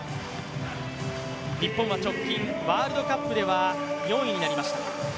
日本は直近、ワールドカップでは４位になりました。